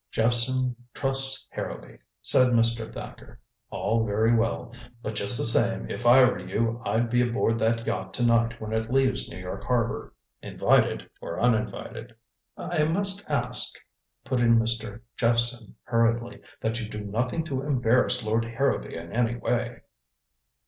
"Jephson trusts Harrowby," said Mr. Thacker. "All very well. But just the same if I were you I'd be aboard that yacht to night when it leaves New York harbor. Invited or uninvited." "I must ask," put in Mr. Jephson hurriedly, "that you do nothing to embarrass Lord Harrowby in any way."